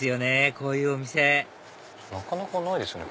こういうお店なかなかないですよね